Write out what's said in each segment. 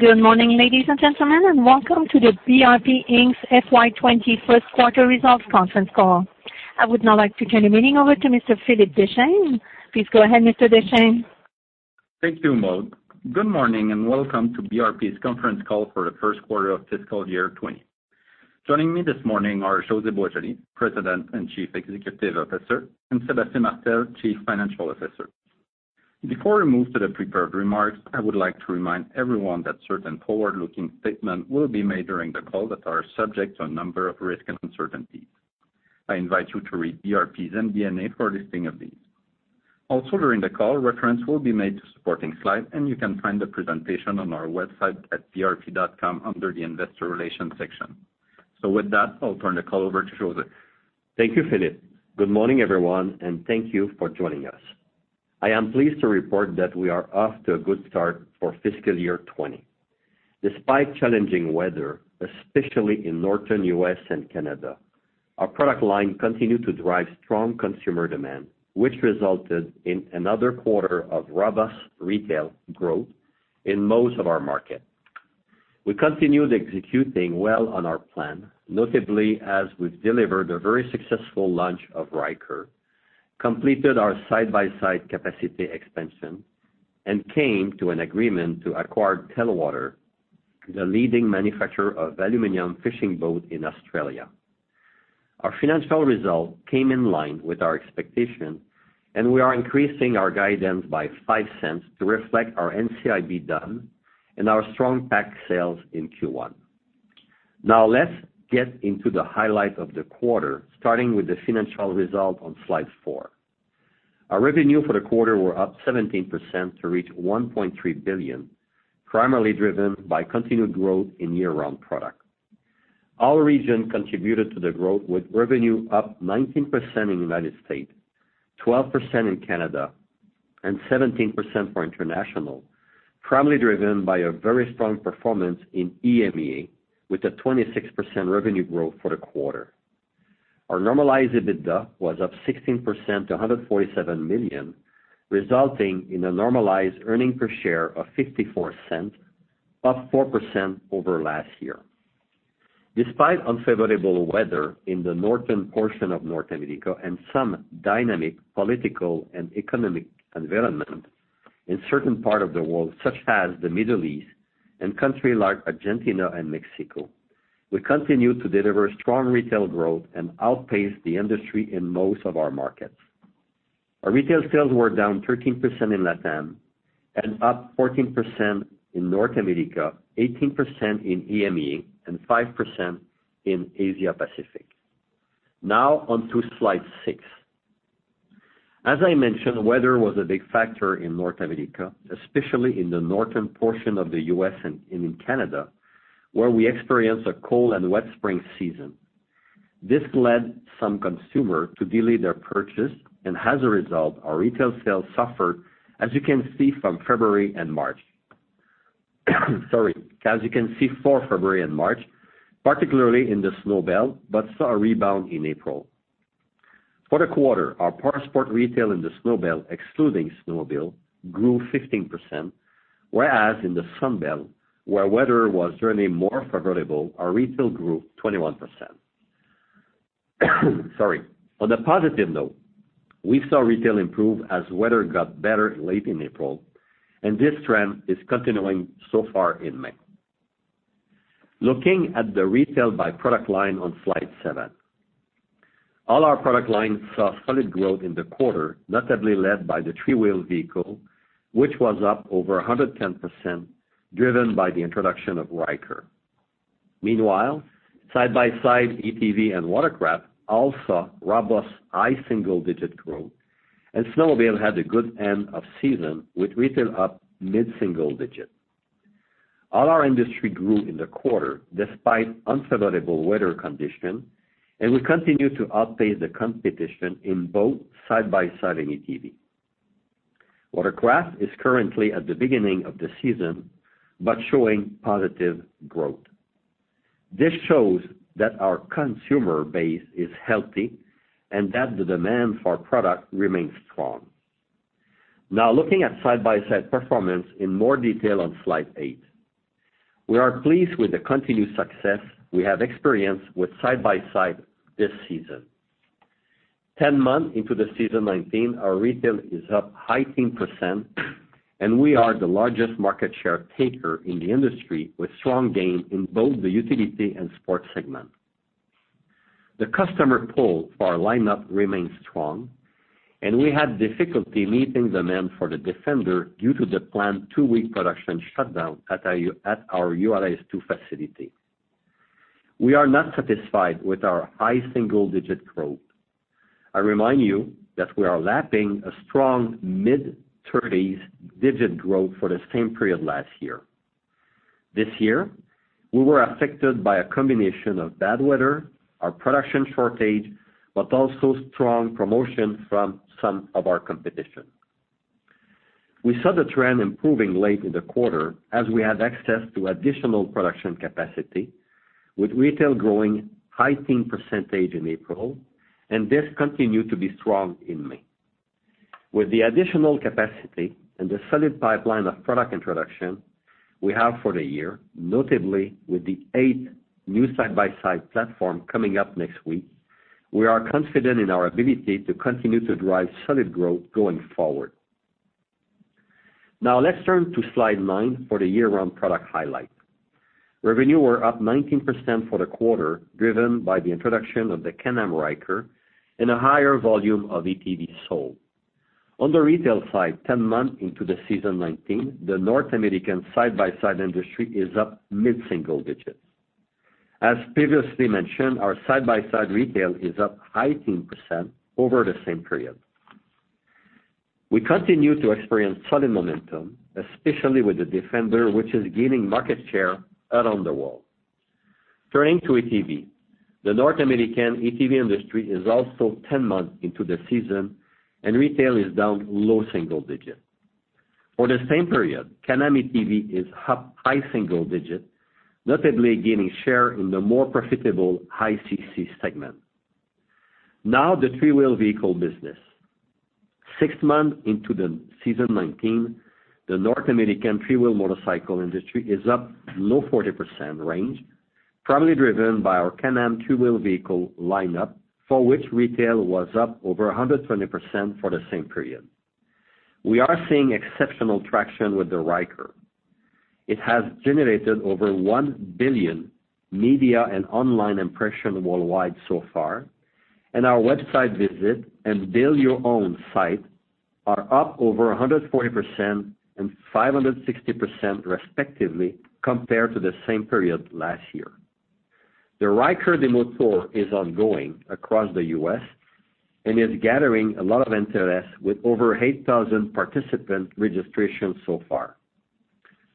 Good morning, ladies and gentlemen, and welcome to the BRP Inc.'s FY 2020 first quarter results conference call. I would now like to turn the meeting over to Mr. Philippe Deschênes. Please go ahead, Mr. Deschênes. Thank you, Maude. Good morning, and welcome to BRP's conference call for the first quarter of fiscal year 2020. Joining me this morning are José Boisjoli, President and Chief Executive Officer, and Sébastien Martel, Chief Financial Officer. Before we move to the prepared remarks, I would like to remind everyone that certain forward-looking statements will be made during the call that are subject to a number of risks and uncertainties. I invite you to read BRP's MD&A for a listing of these. During the call, reference will be made to supporting slides, and you can find the presentation on our website at brp.com under the investor relations section. With that, I'll turn the call over to José. Thank you, Philippe. Good morning, everyone, and thank you for joining us. I am pleased to report that we are off to a good start for fiscal year 2020. Despite challenging weather, especially in Northern U.S. and Canada, our product line continued to drive strong consumer demand, which resulted in another quarter of robust retail growth in most of our markets. We continued executing well on our plan, notably as we've delivered a very successful launch of Ryker, completed our side-by-side capacity expansion, and came to an agreement to acquire Telwater, the leading manufacturer of aluminum fishing boats in Australia. Our financial results came in line with our expectations, and we are increasing our guidance by 0.05 to reflect our NCIB done and our strong packed sales in Q1. Let's get into the highlights of the quarter, starting with the financial results on slide four. Our revenue for the quarter was up 17% to reach 1.3 billion, primarily driven by continued growth in year-round products. All regions contributed to the growth with revenue up 19% in the United States, 12% in Canada, and 17% for international, primarily driven by a very strong performance in EMEA with a 26% revenue growth for the quarter. Our normalized EBITDA was up 16% to 147 million, resulting in a normalized earnings per share of 0.54, up 4% over last year. Despite unfavorable weather in the northern portion of North America and some dynamic political and economic environment in certain parts of the world, such as the Middle East and countries like Argentina and Mexico, we continued to deliver strong retail growth and outpace the industry in most of our markets. Our retail sales were down 13% in LATAM and up 14% in North America, 18% in EMEA, and 5% in Asia Pacific. Now on to slide six. As I mentioned, weather was a big factor in North America, especially in the northern portion of the U.S. and in Canada, where we experienced a cold and wet spring season. This led some consumers to delay their purchase, and as a result, our retail sales suffered, as you can see, from February and March, particularly in the Snowbelt, but saw a rebound in April. For the quarter, our powersport retail in the Snowbelt, excluding snowmobile, grew 15%, whereas in the Sunbelt, where weather was generally more favorable, our retail grew 21%. On a positive note, we saw retail improve as weather got better late in April, and this trend is continuing so far in May. Looking at the retail by product line on slide seven. All our product lines saw solid growth in the quarter, notably led by the three-wheeled vehicle, which was up over 110%, driven by the introduction of Ryker. Meanwhile, side-by-side, ATV, and watercraft all saw robust high single-digit growth, and snowmobile had a good end of season with retail up mid-single digits. All our industry grew in the quarter despite unfavorable weather conditions, and we continue to outpace the competition in both side-by-side and ATV. Watercraft is currently at the beginning of the season, but showing positive growth. This shows that our consumer base is healthy and that the demand for our product remains strong. Now looking at side-by-side performance in more detail on slide eight. We are pleased with the continued success we have experienced with side-by-side this season. 10 months into the season 2019, our retail is up high teen percent, and we are the largest market share taker in the industry with strong gain in both the utility and sports segments. The customer pull for our lineup remains strong, and we had difficulty meeting demand for the Defender due to the planned two-week production shutdown at our URS2 facility. We are not satisfied with our high single-digit growth. I remind you that we are lapping a strong mid-thirties digit growth for the same period last year. This year, we were affected by a combination of bad weather, our production shortage, but also strong promotion from some of our competition. We saw the trend improving late in the quarter as we had access to additional production capacity, with retail growing high teen percentage in April, and this continued to be strong in May. With the additional capacity and the solid pipeline of product introduction we have for the year, notably with the eighth new side-by-side platform coming up next week, we are confident in our ability to continue to drive solid growth going forward. Now let's turn to slide nine for the year-round product highlight. Revenue were up 19% for the quarter, driven by the introduction of the Can-Am Ryker and a higher volume of ATVs sold. On the retail side, 10 months into the season 2019, the North American side-by-side industry is up mid-single digits. As previously mentioned, our side-by-side retail is up high teen percent over the same period. We continue to experience solid momentum, especially with the Can-Am Defender, which is gaining market share around the world. Turning to ATV. The North American ATV industry is also 10 months into the season and retail is down low single digits. For the same period, Can-Am ATV is up high single digits, notably gaining share in the more profitable high CC segment. Now the three-wheel vehicle business. Six months into the season 2019, the North American three-wheel motorcycle industry is up low 40% range, primarily driven by our Can-Am three-wheel vehicle lineup, for which retail was up over 120% for the same period. We are seeing exceptional traction with the Ryker. It has generated over 1 billion media and online impressions worldwide so far, and our website visit and build your own site are up over 140% and 560% respectively compared to the same period last year. The Ryker Demo Tour is ongoing across the U.S. and is gathering a lot of interest with over 8,000 participant registrations so far.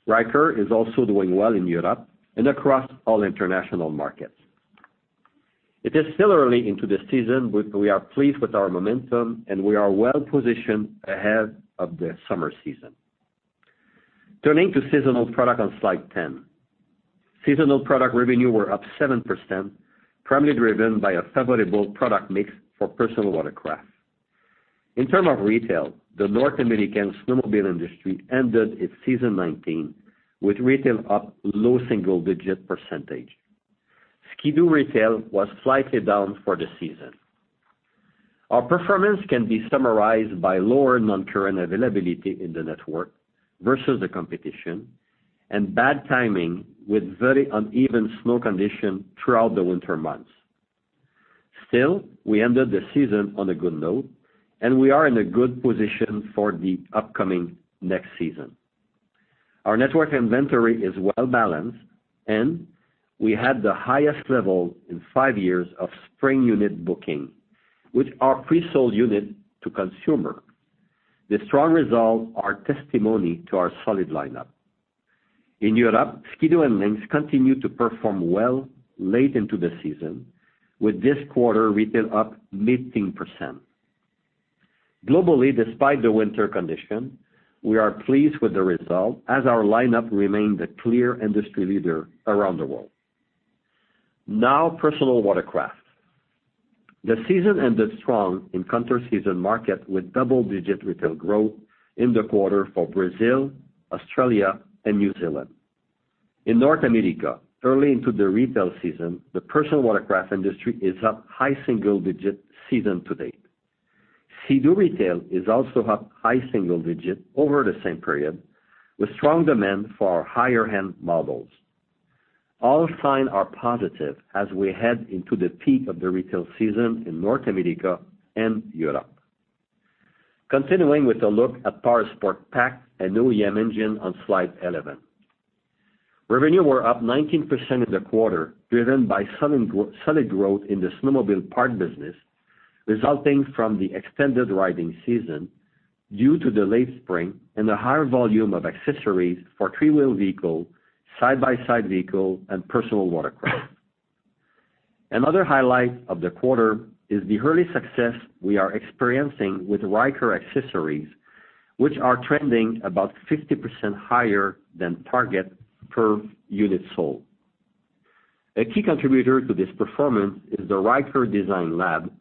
Ryker is also doing well in Europe and across all international markets. We are pleased with our momentum and we are well positioned ahead of the summer season. Turning to seasonal product on slide 10. Seasonal product revenue were up 7%, primarily driven by a favorable product mix for personal watercraft. In term of retail, the North American snowmobile industry ended its season 2019 with retail up low single digit percentage. Ski-Doo retail was slightly down for the season. Our performance can be summarized by lower non-current availability in the network versus the competition and bad timing with very uneven snow conditions throughout the winter months. We ended the season on a good note and we are in a good position for the upcoming next season. Our network inventory is well-balanced and we had the highest level in 5 years of spring unit booking with our presold unit to consumer. The strong results are testimony to our solid lineup. In Europe, Ski-Doo and Lynx continue to perform well late into the season with this quarter retail up mid-teen percent. Globally, despite the winter condition, we are pleased with the result as our lineup remained a clear industry leader around the world. Now personal watercraft. The season ended strong in counterseason market with double-digit retail growth in the quarter for Brazil, Australia and New Zealand. In North America, early into the retail season, the personal watercraft industry is up high single digit season to date. Sea-Doo retail is also up high single digit over the same period with strong demand for our higher end models. All signs are positive as we head into the peak of the retail season in North America and Europe. Continuing with a look at Powersport pack and OEM engine on slide 11. Revenue were up 19% in the quarter, driven by solid growth in the snowmobile part business, resulting from the extended riding season due to the late spring and the higher volume of accessories for three-wheel vehicle, side-by-side vehicle and personal watercraft. Another highlight of the quarter is the early success we are experiencing with Ryker accessories, which are trending about 50% higher than target per unit sold. A key contributor to this performance is the Ryker Design Lab,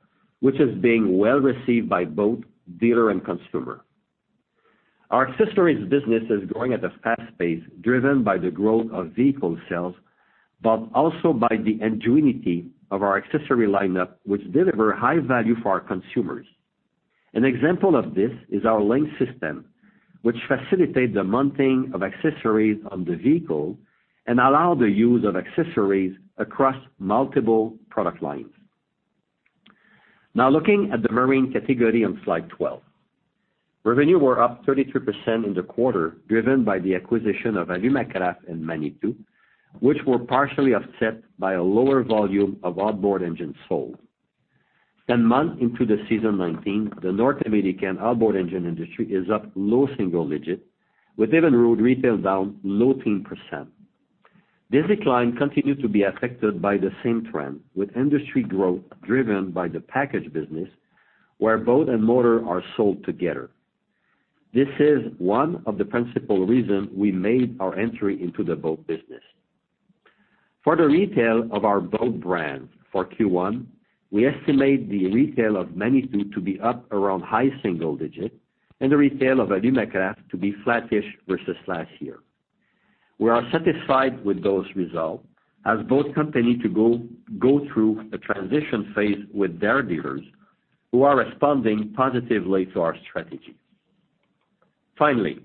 which is being well received by both dealer and consumer. Our accessories business is growing at a fast pace, driven by the growth of vehicle sales, but also by the ingenuity of our accessory lineup, which deliver high value for our consumers. An example of this is our LinQ system, which facilitate the mounting of accessories on the vehicle and allow the use of accessories across multiple product lines. Now looking at the marine category on slide 12. Revenue were up 33% in the quarter, driven by the acquisition of Alumacraft and Manitou, which were partially offset by a lower volume of outboard engines sold. 10 months into the season 2019, the North American outboard engine industry is up low single-digit with Evinrude retail down low teen percent. This decline continued to be affected by the same trend, with industry growth driven by the package business where boat and motor are sold together. This is one of the principal reasons we made our entry into the boat business. For the retail of our boat brands for Q1, we estimate the retail of Manitou to be up around high single-digits and the retail of Alumacraft to be flattish versus last year. We are satisfied with those results as both companies go through a transition phase with their dealers, who are responding positively to our strategy. Finally,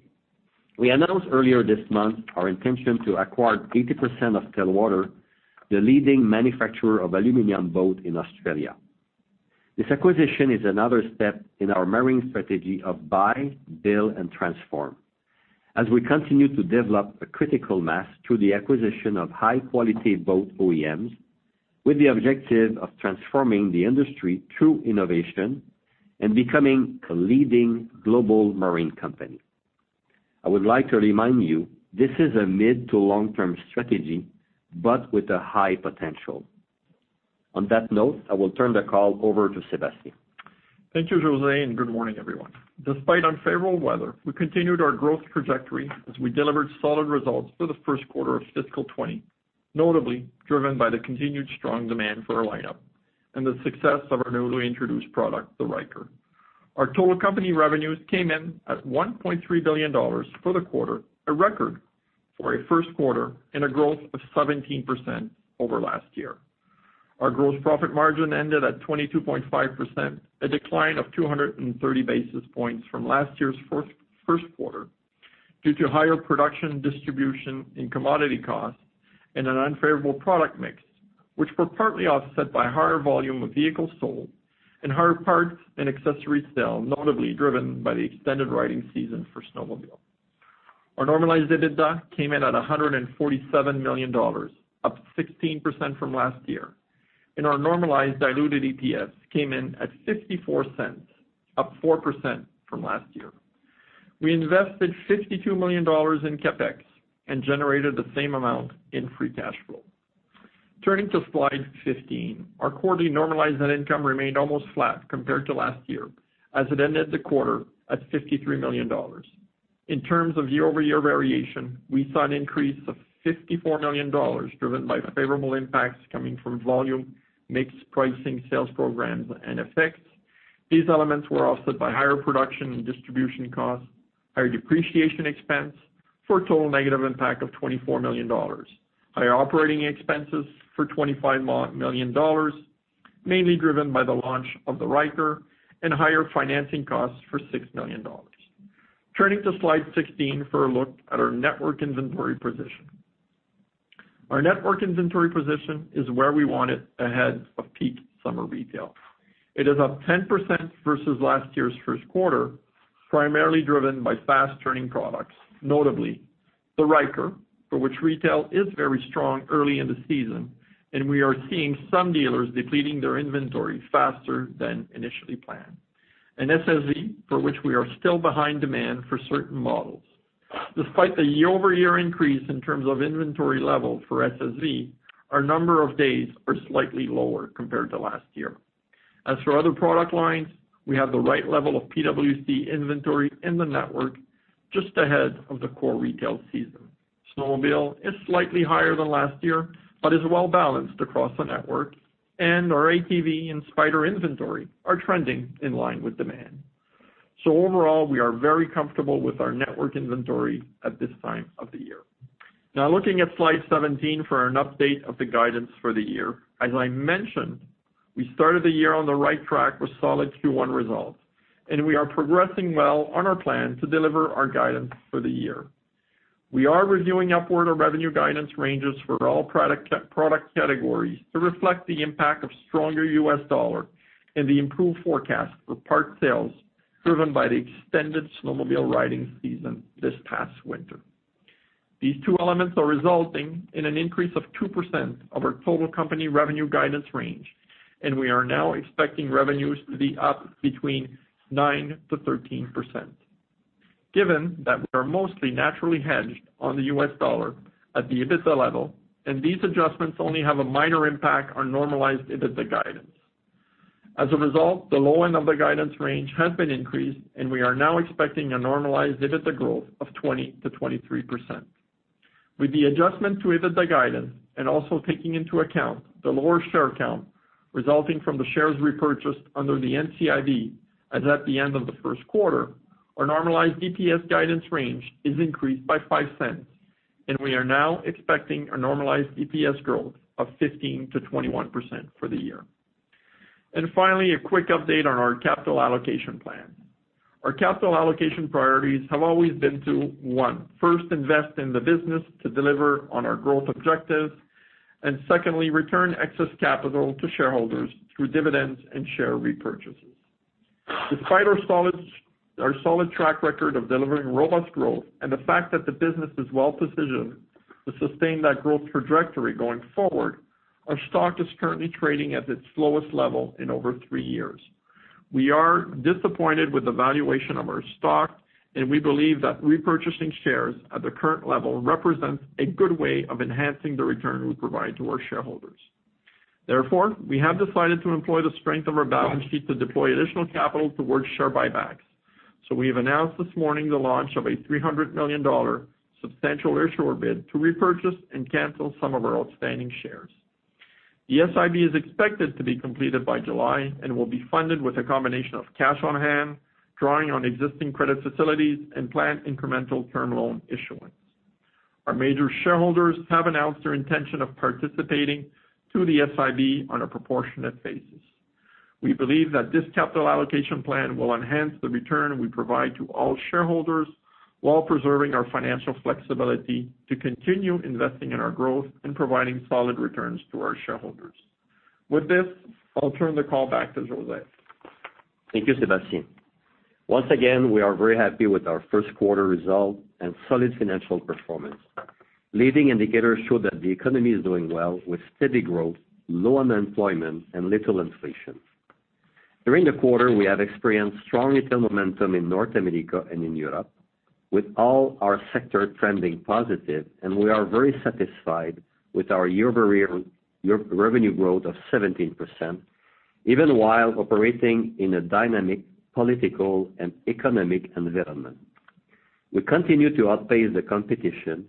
we announced earlier this month our intention to acquire 80% of Telwater, the leading manufacturer of aluminum boats in Australia. This acquisition is another step in our marine strategy of buy, build, and transform as we continue to develop a critical mass through the acquisition of high-quality boat OEMs, with the objective of transforming the industry through innovation and becoming a leading global marine company. I would like to remind you, this is a mid-to-long-term strategy, but with a high potential. On that note, I will turn the call over to Sébastien. Thank you, José, and good morning, everyone. Despite unfavorable weather, we continued our growth trajectory as we delivered solid results for the first quarter of fiscal 2020, notably driven by the continued strong demand for our lineup and the success of our newly introduced product, the Ryker. Our total company revenues came in at 1.3 billion dollars for the quarter, a record for a first quarter, and a growth of 17% over last year. Our gross profit margin ended at 22.5%, a decline of 230 basis points from last year's first quarter due to higher production, distribution, and commodity costs and an unfavorable product mix, which were partly offset by higher volume of vehicles sold and higher parts and accessory sales, notably driven by the extended riding season for snowmobile. Our normalized EBITDA came in at 147 million dollars, up 16% from last year, and our normalized diluted EPS came in at 0.54, up 4% from last year. We invested 52 million dollars in CapEx and generated the same amount in free cash flow. Turning to slide 15, our quarterly normalized net income remained almost flat compared to last year as it ended the quarter at 53 million dollars. In terms of year-over-year variation, we saw an increase of 54 million dollars, driven by favorable impacts coming from volume, mix pricing, sales programs, and effects. These elements were offset by higher production and distribution costs, higher depreciation expense for a total negative impact of 24 million dollars, higher operating expenses for 25 million dollars, mainly driven by the launch of the Ryker, and higher financing costs for 6 million dollars. Turning to slide 16 for a look at our network inventory position. Our network inventory position is where we want it ahead of peak summer retail. It is up 10% versus last year's first quarter, primarily driven by fast-turning products, notably the Ryker, for which retail is very strong early in the season, and we are seeing some dealers depleting their inventory faster than initially planned. SSV, for which we are still behind demand for certain models. Despite the year-over-year increase in terms of inventory levels for SSV, our number of days are slightly lower compared to last year. As for other product lines, we have the right level of PWC inventory in the network just ahead of the core retail season. Snowmobile is slightly higher than last year but is well-balanced across the network, and our ATV and Spyder inventory are trending in line with demand. Overall, we are very comfortable with our network inventory at this time of the year. Looking at slide 17 for an update of the guidance for the year. As I mentioned, we started the year on the right track with solid Q1 results, and we are progressing well on our plan to deliver our guidance for the year. We are reviewing upward our revenue guidance ranges for all product categories to reflect the impact of stronger US dollar and the improved forecast for parts sales driven by the extended snowmobile riding season this past winter. These two elements are resulting in an increase of 2% of our total company revenue guidance range, and we are now expecting revenues to be up between 9%-13%. Given that we are mostly naturally hedged on the US dollar at the EBITDA level, these adjustments only have a minor impact on normalized EBITDA guidance. As a result, the low end of the guidance range has been increased, and we are now expecting a normalized EBITDA growth of 20%-23%. With the adjustment to EBITDA guidance and also taking into account the lower share count resulting from the shares repurchased under the NCIB, as at the end of the first quarter, our normalized EPS guidance range is increased by 0.05, and we are now expecting a normalized EPS growth of 15%-21% for the year. Finally, a quick update on our capital allocation plan. Our capital allocation priorities have always been to, one, first, invest in the business to deliver on our growth objectives, and secondly, return excess capital to shareholders through dividends and share repurchases. Despite our solid track record of delivering robust growth and the fact that the business is well-positioned to sustain that growth trajectory going forward, our stock is currently trading at its lowest level in over 3 years. We are disappointed with the valuation of our stock, and we believe that repurchasing shares at the current level represents a good way of enhancing the return we provide to our shareholders. Therefore, we have decided to employ the strength of our balance sheet to deploy additional capital towards share buybacks. We have announced this morning the launch of a 300 million dollar Substantial Issuer Bid to repurchase and cancel some of our outstanding shares. The SIB is expected to be completed by July and will be funded with a combination of cash on hand, drawing on existing credit facilities and planned incremental term loan issuance. Our major shareholders have announced their intention of participating in the SIB on a proportionate basis. We believe that this capital allocation plan will enhance the return we provide to all shareholders while preserving our financial flexibility to continue investing in our growth and providing solid returns to our shareholders. With this, I'll turn the call back to José. Thank you, Sébastien. Once again, we are very happy with our first quarter results and solid financial performance. Leading indicators show that the economy is doing well, with steady growth, low unemployment and little inflation. During the quarter, we have experienced strong retail momentum in North America and in Europe with all our sectors trending positive, and we are very satisfied with our year-over-year revenue growth of 17%, even while operating in a dynamic political and economic environment. We continue to outpace the competition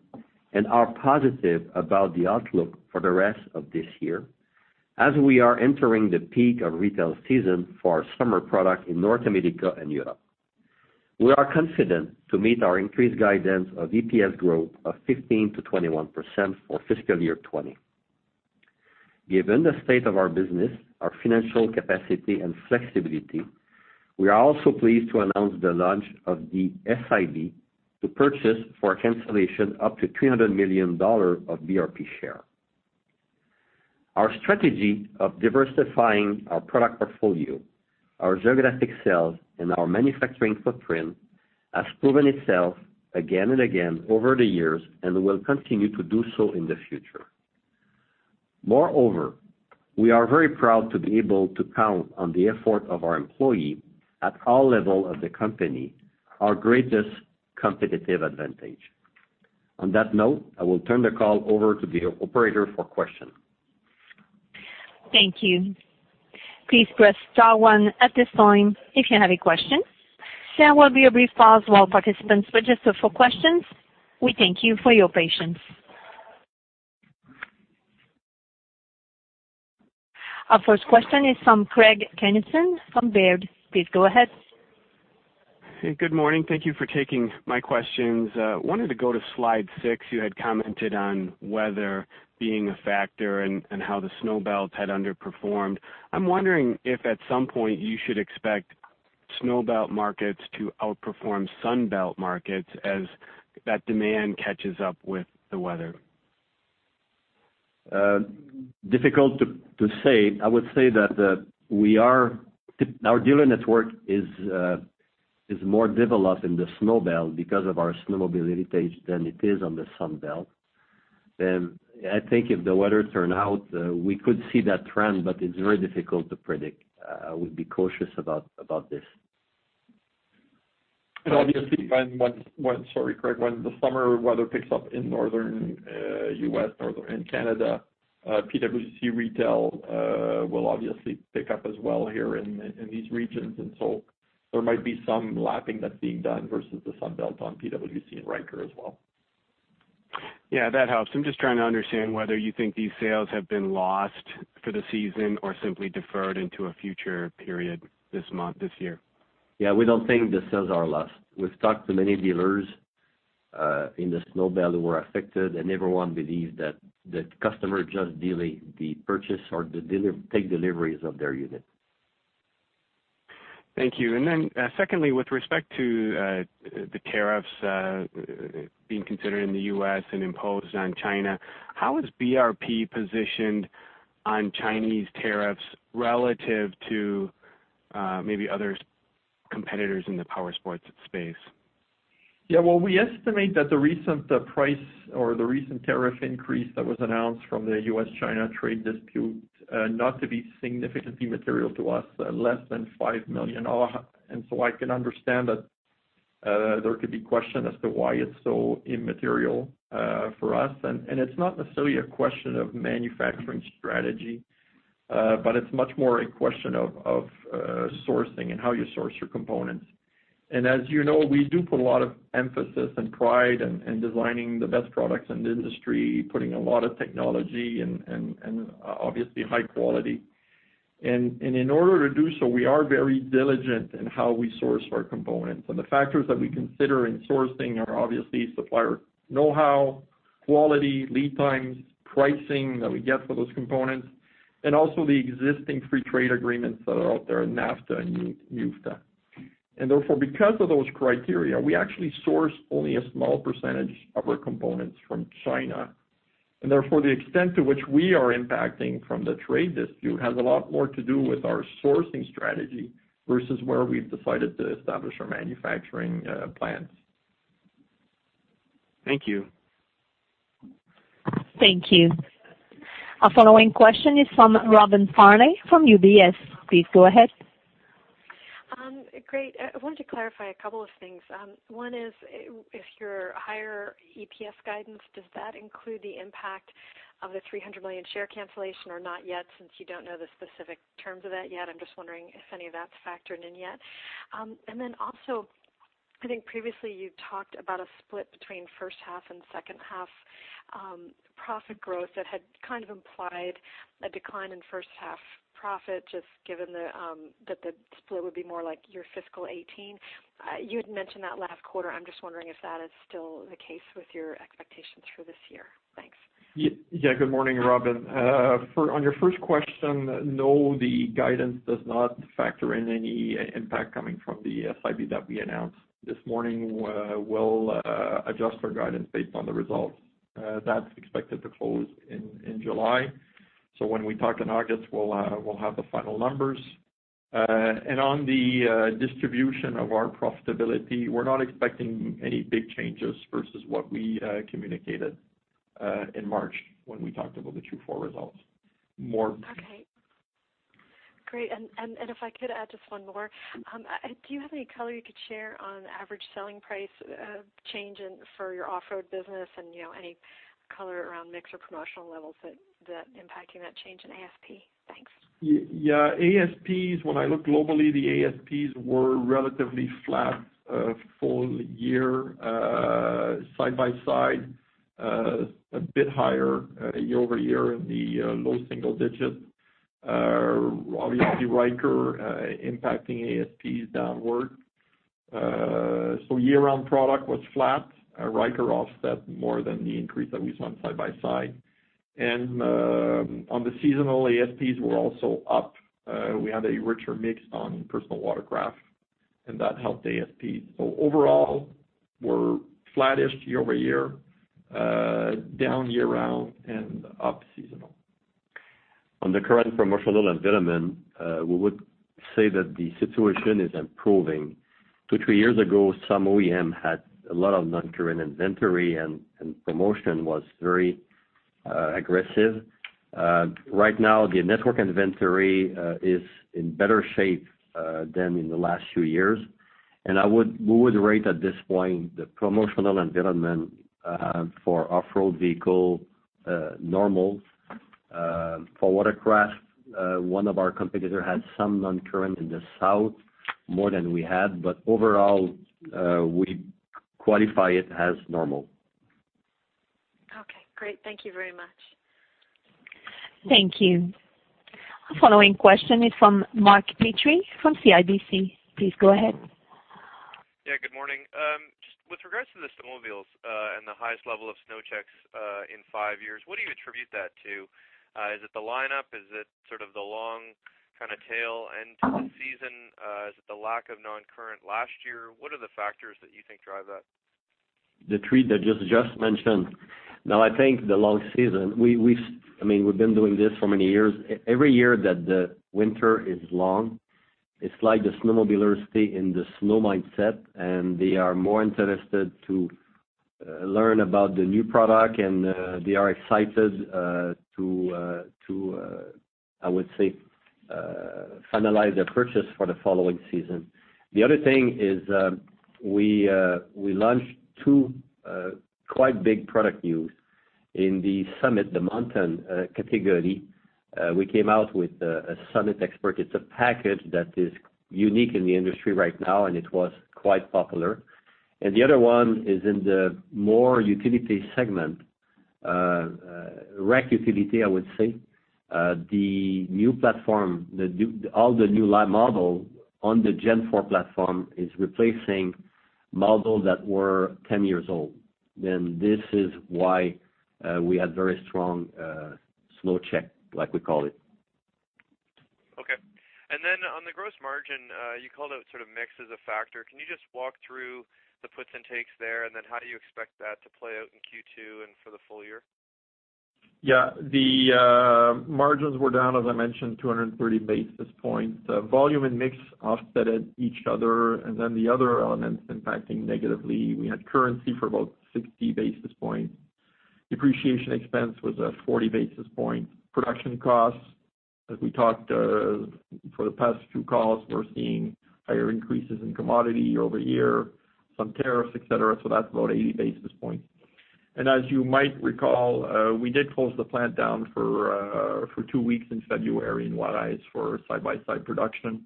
and are positive about the outlook for the rest of this year as we are entering the peak of retail season for our summer product in North America and Europe. We are confident to meet our increased guidance of EPS growth of 15%-21% for fiscal year 2020. Given the state of our business, our financial capacity and flexibility, we are also pleased to announce the launch of the SIB to purchase for cancellation up to 300 million dollars of BRP share. Our strategy of diversifying our product portfolio, our geographic sales and our manufacturing footprint has proven itself again and again over the years and will continue to do so in the future. Moreover, we are very proud to be able to count on the effort of our employees at all levels of the company, our greatest competitive advantage. On that note, I will turn the call over to the operator for questions. Thank you. Please press star one at this time if you have a question. There will be a brief pause while participants register for questions. We thank you for your patience. Our first question is from Craig Kennison from Baird. Please go ahead. Hey, good morning. Thank you for taking my questions. Wanted to go to slide six. You had commented on weather being a factor and how the Snowbelts had underperformed. I'm wondering if at some point you should expect Snowbelt markets to outperform Sunbelt markets as that demand catches up with the weather. Difficult to say. I would say that our dealer network is more developed in the Snowbelt because of our snowmobile heritage than it is on the Sunbelt. I think if the weather turns out, we could see that trend. It's very difficult to predict. I would be cautious about this. Obviously, sorry, Craig. When the summer weather picks up in northern U.S., northern Canada, PWC retail will obviously pick up as well here in these regions. There might be some lapping that's being done versus the Sunbelt on PWC and Ryker as well. that helps. I'm just trying to understand whether you think these sales have been lost for the season or simply deferred into a future period this month, this year. We don't think the sales are lost. We've talked to many dealers in the Snowbelt who were affected, and everyone believes that the customer just delayed the purchase or take deliveries of their unit. Thank you. Secondly, with respect to the tariffs being considered in the U.S. and imposed on China, how is BRP positioned on Chinese tariffs relative to maybe other competitors in the powersports space? Well, we estimate that the recent price or the recent tariff increase that was announced from the U.S.-China trade dispute not to be significantly material to us, less than 5 million. I can understand that there could be question as to why it's so immaterial for us, and it's not necessarily a question of manufacturing strategy, but it's much more a question of sourcing and how you source your components. As you know, we do put a lot of emphasis and pride in designing the best products in the industry, putting a lot of technology and obviously high quality. In order to do so, we are very diligent in how we source our components. The factors that we consider in sourcing are obviously supplier know-how, quality, lead times, pricing that we get for those components, and also the existing free trade agreements that are out there, NAFTA and USMCA. Therefore, because of those criteria, we actually source only a small percentage of our components from China. Therefore, the extent to which we are impacting from the trade dispute has a lot more to do with our sourcing strategy versus where we've decided to establish our manufacturing plants. Thank you. Thank you. Our following question is from Robin Farley from UBS. Please go ahead. Great. I wanted to clarify a couple of things. One is, if your higher EPS guidance, does that include the impact of the 300 million share cancellation or not yet, since you don't know the specific terms of that yet? I'm just wondering if any of that's factored in yet. Then also, I think previously you talked about a split between first half and second half profit growth that had kind of implied a decline in first half profit, just given that the split would be more like your fiscal 2018. You had mentioned that last quarter. I'm just wondering if that is still the case with your expectations for this year. Thanks. Good morning, Robin. On your first question, no, the guidance does not factor in any impact coming from the SIB that we announced this morning. We'll adjust our guidance based on the results. That's expected to close in July. When we talk in August, we'll have the final numbers. On the distribution of our profitability, we're not expecting any big changes versus what we communicated in March when we talked about the Q4 results more. Okay. Great, if I could add just one more. Do you have any color you could share on average selling price change for your off-road business and any color around mix or promotional levels that impacting that change in ASP? Thanks. ASPs, when I look globally, the ASPs were relatively flat full year. Side-by-side, a bit higher year-over-year in the low single digit. Obviously, Ryker impacting ASPs downward. Year-round product was flat. Ryker offset more than the increase that we saw in side-by-side. On the seasonal, ASPs were also up. We had a richer mix on personal watercraft, and that helped ASPs. Overall, we're flattish year-over-year, down year round and up seasonal. On the current promotional environment, we would say that the situation is improving. Two, three years ago, some OEM had a lot of non-current inventory, promotion was very aggressive. Right now, the network inventory is in better shape than in the last few years, we would rate at this point the promotional environment for off-road vehicle normal. For watercraft, one of our competitor had some non-current in the south, more than we had. Overall, we qualify it as normal. Okay, great. Thank you very much. Thank you. Following question is from Mark Petrie from CIBC. Please go ahead. Yeah, good morning. Just with regards to the snowmobiles and the highest level of SnowCheck in five years, what do you attribute that to? Is it the lineup? Is it sort of the long kind of tail end to the season? Is it the lack of non-current last year? What are the factors that you think drive that? The three that José just mentioned. Now, I think the long season. We've been doing this for many years. Every year that the winter is long, it's like the snowmobilers stay in the snow mindset, and they are more interested to learn about the new product and they are excited to, I would say, finalize their purchase for the following season. The other thing is, we launched two quite big product news in the Summit, the mountain category. We came out with a Summit Expert. It's a package that is unique in the industry right now, and it was quite popular. And the other one is in the more utility segment, rec utility, I would say. The new platform, all the new line model on the Gen4 platform is replacing models that were 10 years old. This is why we had very strong SnowCheck, like we call it. Okay. On the gross margin, you called out sort of mix as a factor. Can you just walk through the puts and takes there, and how do you expect that to play out in Q2 and for the full year? Yeah. The margins were down, as I mentioned, 230 basis points. Volume and mix offset each other, the other elements impacting negatively. We had currency for about 60 basis points. Depreciation expense was at 40 basis points. Production costs, as we talked for the past two calls, we're seeing higher increases in commodity year-over-year, some tariffs, et cetera. That's about 80 basis points. As you might recall, we did close the plant down for two weeks in February in Juárez for side-by-side production.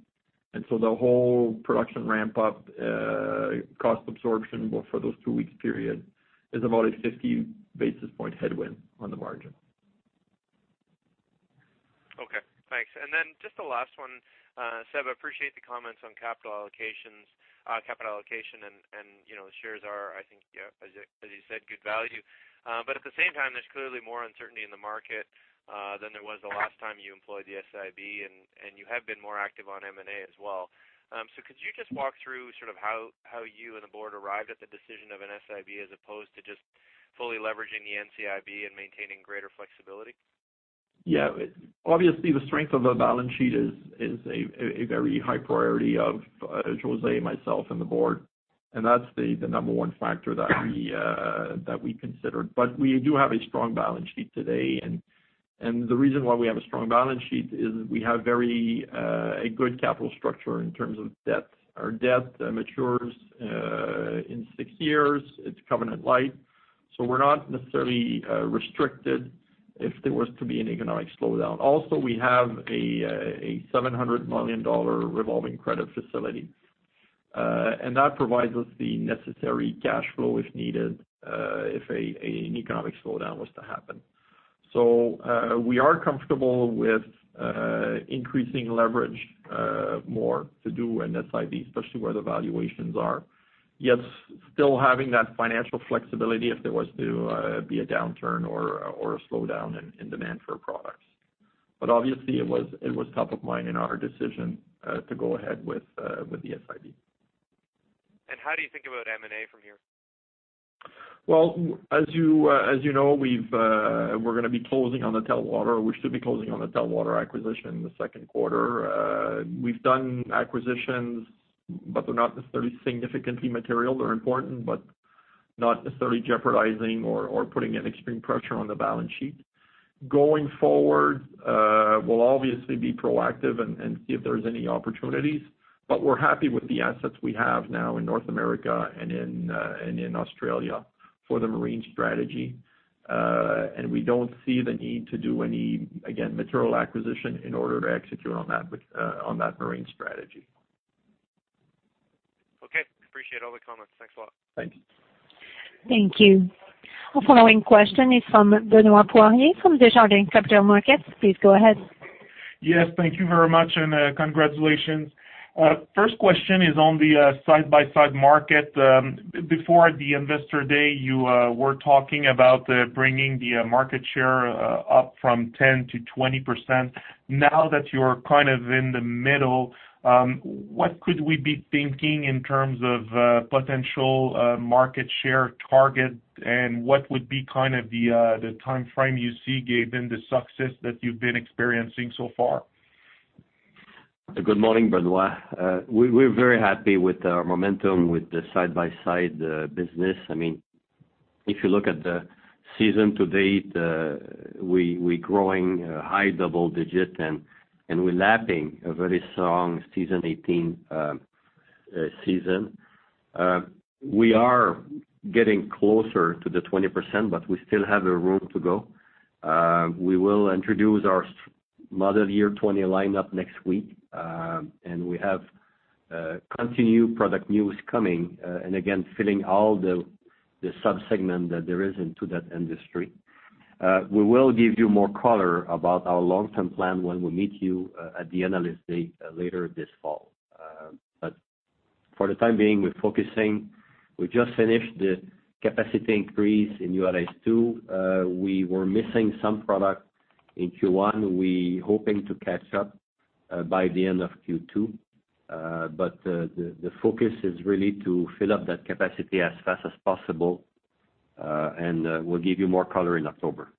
The whole production ramp-up cost absorption for those two-week period is about a 50 basis point headwind on the margin. Okay, thanks. Just the last one. Seb, appreciate the comments on capital allocation and shares are, I think, as you said, good value. At the same time, there's clearly more uncertainty in the market than there was the last time you employed the SIB and you have been more active on M&A as well. Could you just walk through sort of how you and the board arrived at the decision of an SIB as opposed to just fully leveraging the NCIB and maintaining greater flexibility? Yeah. Obviously, the strength of a balance sheet is a very high priority of José, myself, and the board. That's the number one factor that we considered. We do have a strong balance sheet today, and the reason why we have a strong balance sheet is we have a very good capital structure in terms of debt. Our debt matures in six years. It's covenant light, so we're not necessarily restricted if there was to be an economic slowdown. Also, we have a 700 million dollar revolving credit facility, and that provides us the necessary cash flow if needed, if an economic slowdown was to happen. We are comfortable with increasing leverage more to do an SIV, especially where the valuations are. Still having that financial flexibility if there was to be a downturn or a slowdown in demand for products. Obviously it was top of mind in our decision to go ahead with the SIV. How do you think about M&A from here? Well, as you know, we're going to be closing on the Telwater. We should be closing on the Telwater acquisition in the second quarter. We've done acquisitions, they're not necessarily significantly material. They're important, not necessarily jeopardizing or putting an extreme pressure on the balance sheet. Going forward, we'll obviously be proactive and see if there's any opportunities. We're happy with the assets we have now in North America and in Australia for the marine strategy. We don't see the need to do any, again, material acquisition in order to execute on that marine strategy. Okay. Appreciate all the comments. Thanks a lot. Thank you. Thank you. Our following question is from Benoit Poirier, from Desjardins Capital Markets. Please go ahead. Yes, thank you very much, and congratulations. First question is on the side-by-side market. Before the investor day, you were talking about bringing the market share up from 10%-20%. Now that you're kind of in the middle, what could we be thinking in terms of potential market share target, and what would be kind of the timeframe you see given the success that you've been experiencing so far? Good morning, Benoit. We're very happy with our momentum with the side-by-side business. If you look at the season to date, we growing high double digit, and we're lapping a very strong 2018 season. We are getting closer to the 20%, but we still have a room to go. We will introduce our model year 2020 lineup next week, and we have continued product news coming, and again, filling all the sub-segment that there is into that industry. We will give you more color about our long-term plan when we meet you at the analyst day later this fall. For the time being, we're focusing. We just finished the capacity increase in Juárez 2. We were missing some product in Q1. We hoping to catch up by the end of Q2. The focus is really to fill up that capacity as fast as possible. We'll give you more color in October.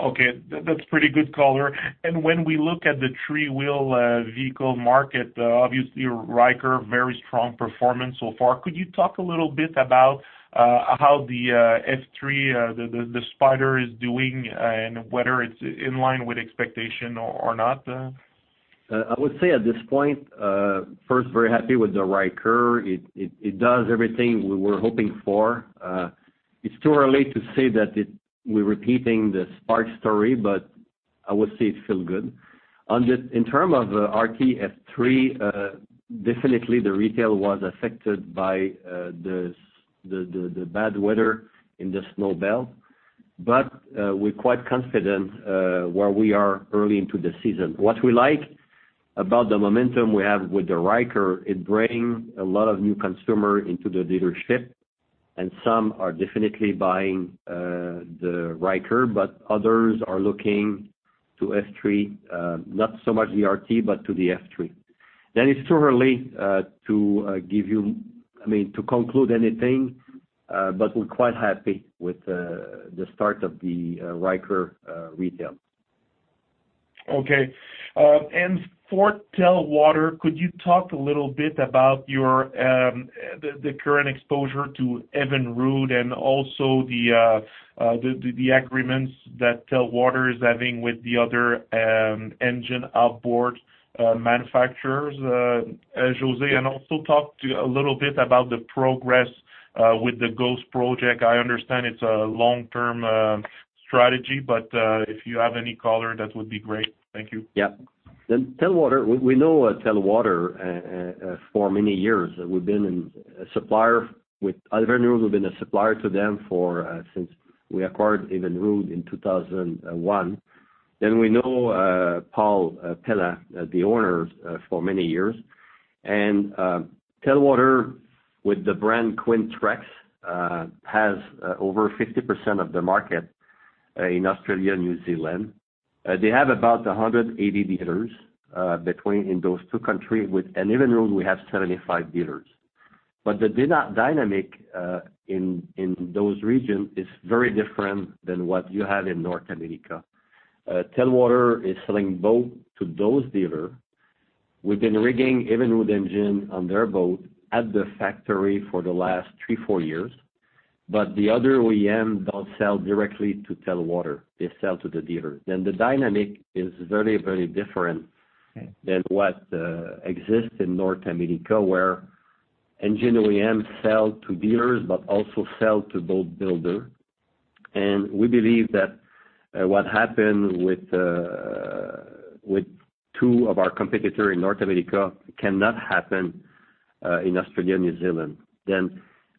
Okay. That's pretty good color. When we look at the three-wheel vehicle market, obviously Ryker, very strong performance so far. Could you talk a little bit about how the F3, the Spyder is doing and whether it's in line with expectation or not? I would say at this point, first, very happy with the Ryker. It does everything we were hoping for. It's too early to say that we're repeating the Spark story, but I would say it feel good. In term of RT F3, definitely the retail was affected by the bad weather in the snow belt. We're quite confident where we are early into the season. What we like about the momentum we have with the Ryker, it bring a lot of new consumer into the dealership, and some are definitely buying the Ryker, but others are looking to F3, not so much the RT, but to the F3. It's too early to conclude anything, but we're quite happy with the start of the Ryker retail. Okay. For Telwater, could you talk a little bit about the current exposure to Evinrude and also the agreements that Telwater is having with the other engine outboard manufacturers, José, and also talk a little bit about the progress with the Ghost project. I understand it's a long-term strategy, but if you have any color, that would be great. Thank you. Yeah. We know Telwater for many years. Evinrude have been a supplier to them since we acquired Evinrude in 2001. We know Paul Phelan, the owner, for many years. Telwater with the brand Quintrex, has over 50% of the market in Australia, New Zealand. They have about 180 dealers between in those two countries. Evinrude, we have 75 dealers. The dynamic in those regions is very different than what you have in North America. Telwater is selling boat to those dealer. We've been rigging Evinrude engine on their boat at the factory for the last three, four years. The other OEM don't sell directly to Telwater, they sell to the dealer. The dynamic is very different than what exists in North America where engine OEM sell to dealers but also sell to boat builder. We believe that what happened with two of our competitor in North America cannot happen in Australia and New Zealand.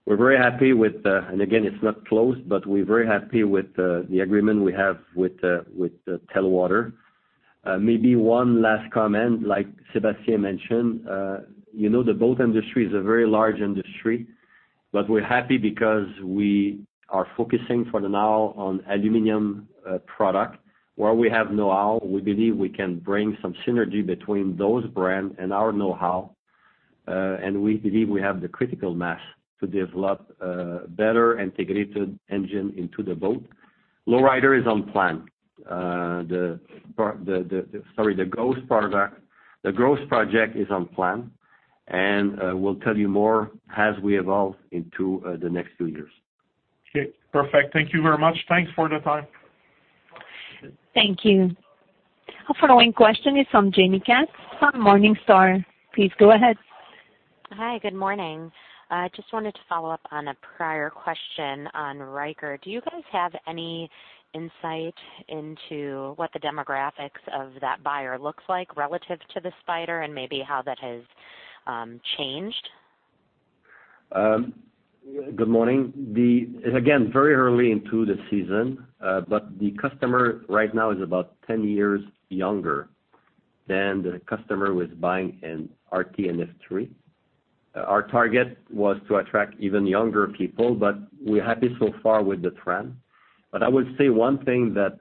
We're very happy, and again, it's not closed, but we're very happy with the agreement we have with Telwater. Maybe one last comment, like Sébastien mentioned, the boat industry is a very large industry, but we're happy because we are focusing for now on aluminum product where we have knowhow. We believe we can bring some synergy between those brand and our knowhow. We believe we have the critical mass to develop better integrated engine into the boat. Sorry, the Ghost project is on plan. We'll tell you more as we evolve into the next few years. Okay, perfect. Thank you very much. Thanks for the time. Thank you. Our following question is from Jaime Katz from Morningstar. Please go ahead. Hi, good morning. Just wanted to follow up on a prior question on Ryker. Do you guys have any insight into what the demographics of that buyer looks like relative to the Spyder and maybe how that has changed? Good morning. Very early into the season, but the customer right now is about 10 years younger than the customer who is buying an RT and F3. Our target was to attract even younger people, but we're happy so far with the trend. I would say one thing that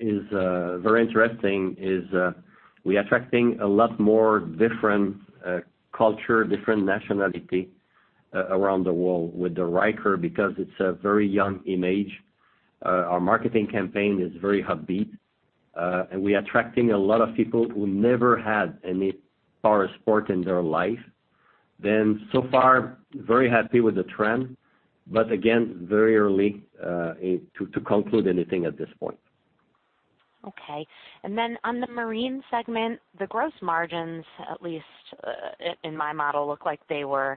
is very interesting is we are attracting a lot more different culture, different nationality around the world with the Ryker because it's a very young image. Our marketing campaign is very upbeat, and we are attracting a lot of people who never had any powersport in their life. So far, very happy with the trend, but again, very early to conclude anything at this point. Okay. On the marine segment, the gross margins, at least in my model, look like they were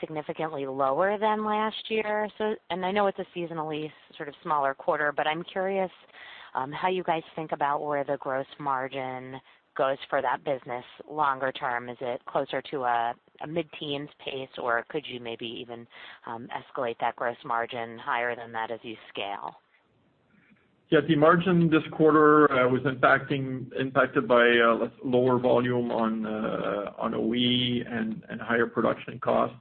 significantly lower than last year. I know it's a seasonally sort of smaller quarter, but I'm curious how you guys think about where the gross margin goes for that business longer term. Is it closer to a mid-teens pace, or could you maybe even escalate that gross margin higher than that as you scale? Yeah, the margin this quarter was impacted by lower volume on OE and higher production costs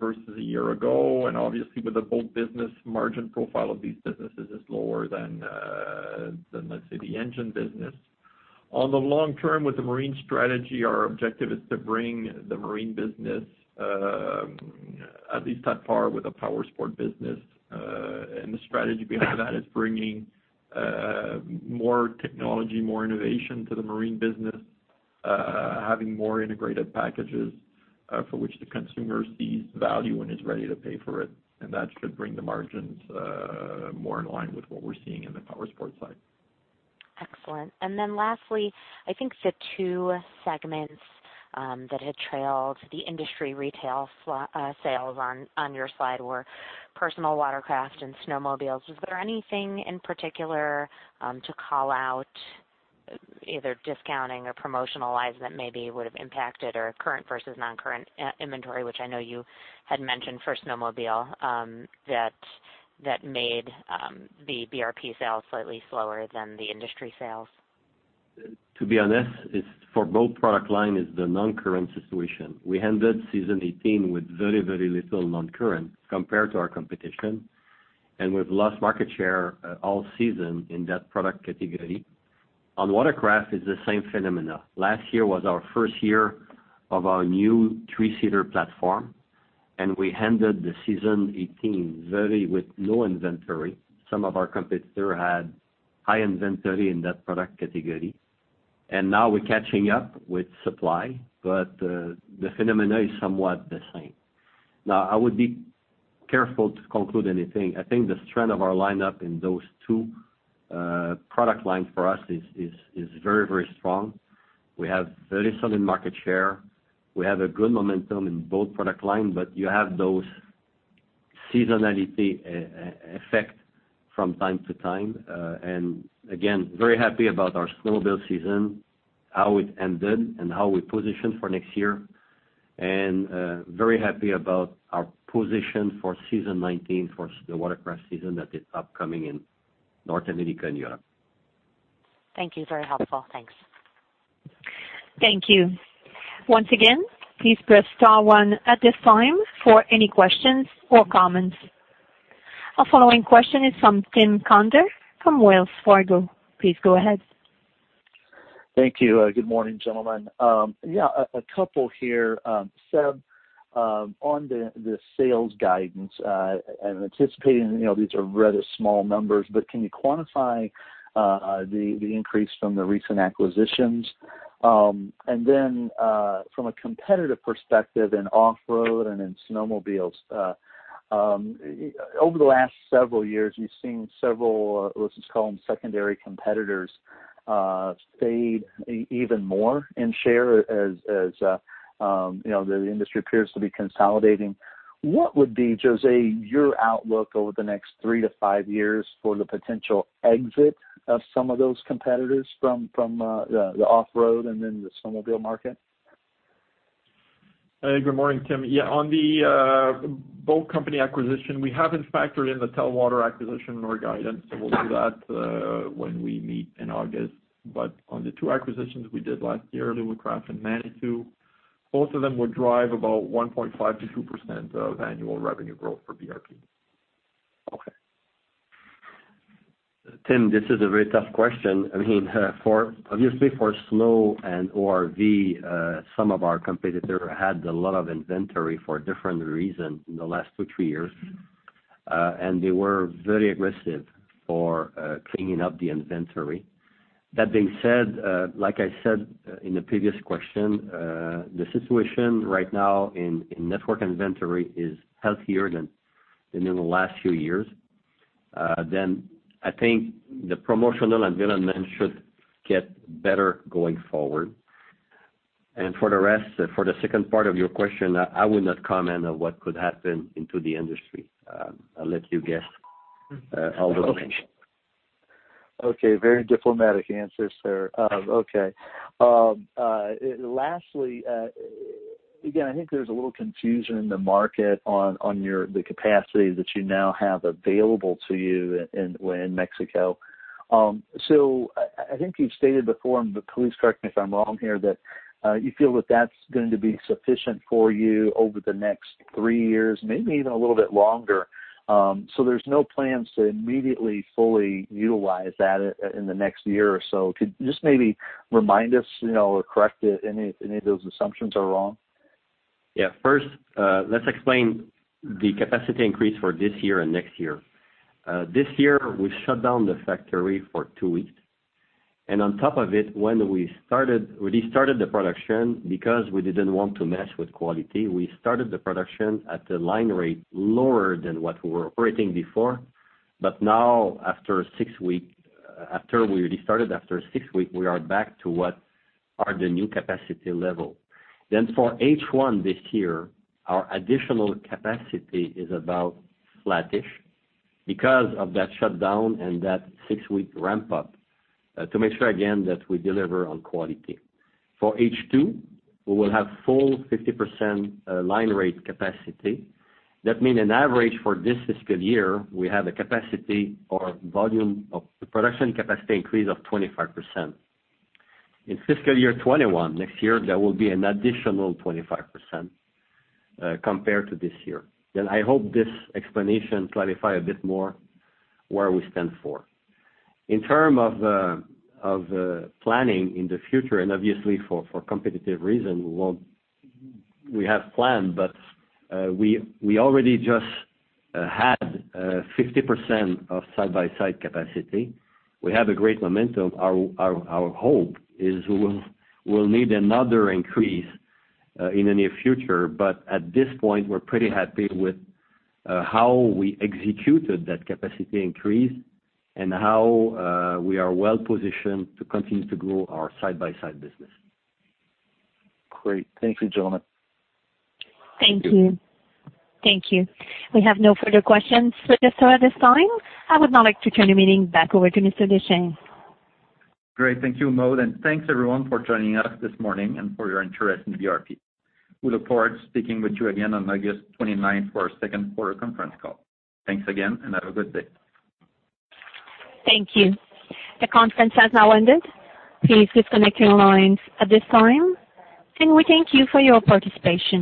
versus a year ago, obviously with the boat business, margin profile of these businesses is lower than, let's say, the engine business. On the long term with the marine strategy, our objective is to bring the marine business at least at par with the powersport business. The strategy behind that is bringing more technology, more innovation to the marine business, having more integrated packages, for which the consumer sees value and is ready to pay for it. That should bring the margins more in line with what we're seeing in the powersport side. Excellent. Lastly, I think the two segments that had trailed the industry retail sales on your slide were personal watercraft and snowmobiles. Was there anything in particular to call out, either discounting or promotional wise that maybe would have impacted or current versus non-current inventory, which I know you had mentioned for snowmobile, that made the BRP sales slightly slower than the industry sales? To be honest, for both product line is the non-current situation. We ended season 2018 with very little non-current compared to our competition, and we've lost market share all season in that product category. On watercraft is the same phenomena. Last year was our first year of our new three-seater platform, and we ended the season 2018 with very low inventory. Some of our competitor had high inventory in that product category, and now we're catching up with supply. The phenomena is somewhat the same. I would be careful to conclude anything. I think the strength of our lineup in those two product lines for us is very strong. We have very solid market share. We have a good momentum in both product line, but you have those seasonality effect from time to time. Very happy about our snowmobile season, how it ended, and how we position for next year. Very happy about our position for season 2019 for the watercraft season that is upcoming in North America and Europe. Thank you. Very helpful. Thanks. Thank you. Once again, please press star one at this time for any questions or comments. Our following question is from Tim Conder from Wells Fargo. Please go ahead. Thank you. Good morning, gentlemen. Yeah, a couple here. Seb, on the sales guidance, I'm anticipating these are really small numbers, but can you quantify the increase from the recent acquisitions? From a competitive perspective in off-road and in snowmobiles, over the last several years, we've seen several, let's just call them secondary competitors, fade even more in share as the industry appears to be consolidating. What would be, José, your outlook over the next three to five years for the potential exit of some of those competitors from the off-road and then the snowmobile market? Good morning, Tim. On the Boat Company acquisition, we haven't factored in the Telwater acquisition or guidance. We'll do that when we meet in August. On the two acquisitions we did last year, Alumacraft and Manitou, both of them will drive about 1.5% to 2% of annual revenue growth for BRP. Okay. Tim, this is a very tough question. Obviously, for snow and ORV, some of our competitors had a lot of inventory for different reasons in the last two, three years, and they were very aggressive for cleaning up the inventory. That being said, like I said in the previous question, the situation right now in network inventory is healthier than in the last few years. I think the promotional and development should get better going forward. For the rest, for the second part of your question, I will not comment on what could happen into the industry. I'll let you guess how the. Very diplomatic answers there. Lastly, again, I think there's a little confusion in the market on the capacity that you now have available to you in Mexico. I think you've stated before, but please correct me if I'm wrong here, that you feel that that's going to be sufficient for you over the next three years, maybe even a little bit longer. There's no plans to immediately fully utilize that in the next year or so. Could you just maybe remind us, or correct it any of those assumptions are wrong? First, let's explain the capacity increase for this year and next year. This year, we shut down the factory for two weeks. On top of it, when we restarted the production, because we didn't want to mess with quality, we started the production at the line rate lower than what we were operating before. Now, after six weeks, after we restarted, after six weeks, we are back to what are the new capacity level. For H1 this year, our additional capacity is about flattish because of that shutdown and that six-week ramp up to make sure, again, that we deliver on quality. For H2, we will have full 50% line rate capacity. That means an average for this fiscal year, we have a capacity or volume of the production capacity increase of 25%. In fiscal year 2021, next year, there will be an additional 25% compared to this year. I hope this explanation clarifies a bit more where we stand for. In terms of planning in the future, and obviously for competitive reason, we have planned, but we already just had 50% of side-by-side capacity. We have a great momentum. Our hope is we'll need another increase in the near future. At this point, we're pretty happy with how we executed that capacity increase and how we are well-positioned to continue to grow our side-by-side business. Great. Thank you, gentlemen. Thank you. We have no further questions for just now at this time. I would now like to turn the meeting back over to Mr. Deschênes. Great. Thank you, Maude, and thanks everyone for joining us this morning and for your interest in BRP. We look forward to speaking with you again on August 29th for our second quarter conference call. Thanks again, and have a good day. Thank you. The conference has now ended. Please disconnect your lines at this time, and we thank you for your participation.